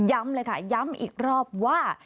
เลยค่ะย้ำอีกรอบว่า